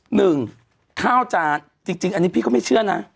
หนึ่งข้าวจานจริงอันนี้พี่ก็ไม่เชื่อนะ